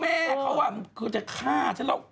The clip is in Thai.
แม่เขาคือจะฆ่าฉันแล้ว